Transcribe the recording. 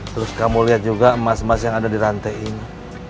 terus kamu lihat juga emas emas yang ada di rantai ini